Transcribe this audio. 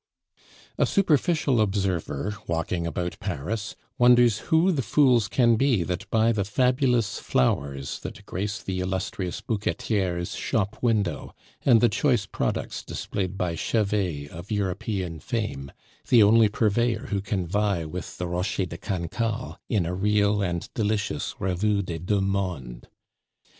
A superficial observer, walking about Paris, wonders who the fools can be that buy the fabulous flowers that grace the illustrious bouquetiere's shop window, and the choice products displayed by Chevet of European fame the only purveyor who can vie with the Rocher de Cancale in a real and delicious Revue des deux Mondes.